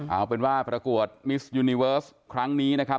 เอาเป็นว่าประกวดมิสยูนิเวิร์สครั้งนี้นะครับ